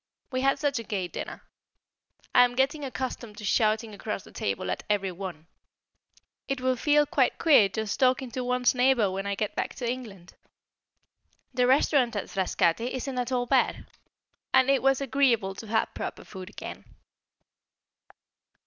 We had such a gay dinner. I am getting accustomed to shouting across the table at every one; it will feel quite queer just talking to one's neighbour when I get back to England. The restaurant at Frascati isn't at all bad, and it was agreeable to have proper food again.